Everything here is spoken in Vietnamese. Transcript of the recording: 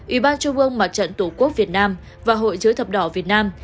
ủy ban trung ương mặt trận tổ quốc việt nam và hội chữ thập đỏ việt nam